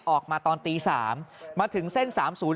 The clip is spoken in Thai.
ออกมาตอนตี๓มาถึงเส้น๓๐๔